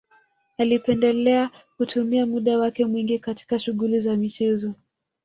Alipendelea kutumia muda wake mwingi katika shughuli za michezo